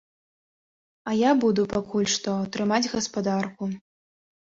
А я буду пакуль што трымаць гаспадарку.